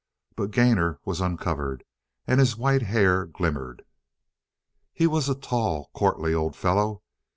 But Gainor was uncovered, and his white hair glimmered. He was a tall, courtly old fellow.